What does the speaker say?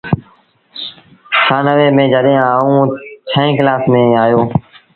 ڇآنوي ميݩ جڏهيݩ آئوٚݩ ڇوهيݩ ڪلآس ميݩ آيو ۔